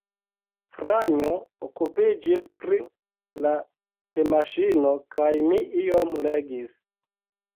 Franjo okupiĝis pri la temaŝino, kaj mi iom legis.